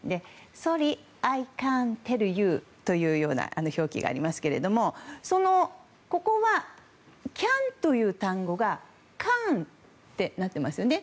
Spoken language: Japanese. ソリ、アイカーンテルユウというような表記がありますけれどもここはｃａｎという単語がカーンってなってますよね。